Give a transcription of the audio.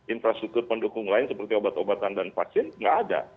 infrastruktur pendukung lain seperti obat obatan dan vaksin nggak ada